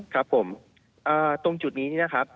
ครับผมตรงจุดนี้